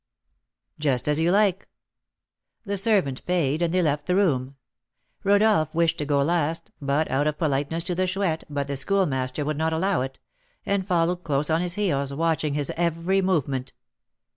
"Just as you like." The servant paid, and they left the room. Rodolph wished to go last, out of politeness to the Chouette, but the Schoolmaster would not allow it, and followed close on his heels, watching his every movement.